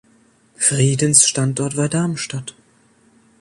Friedensstandort war Darmstadt.